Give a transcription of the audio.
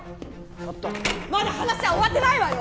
ちょっとまだ話は終わってないわよ